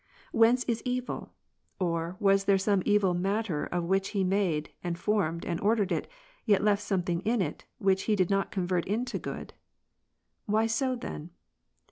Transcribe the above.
Whence is evil ? Or, w^as there some evil matter of which He made, and formed, and ordered it, yet left something in it, which He did not convert into good ? Why so then